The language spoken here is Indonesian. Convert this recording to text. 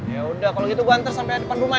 ya udah kalau gitu gue anterin sampai depan rumah ya